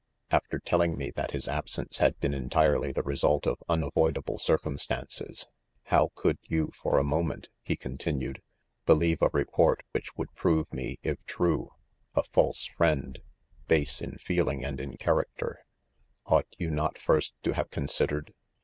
* After telling me that his absence had been ■entirely the result of unavoidable 'circumstan ces, """How could you, for a moment," lie continued^ "believe a report which would prove me, if true, a false friend, base in feel ing and in character 1 ( ought yon not first to have considered'!